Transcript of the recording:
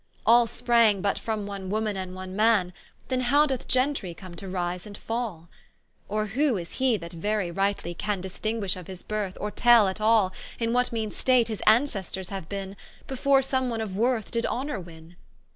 All sprang but from one woman and one man, Then how doth Gentry come to rise and fall? Or who is he that very rightly can Distinguish of his birth, or tell at all, In what meane state his Ancestors haue bin, Before some one of worth did honour win?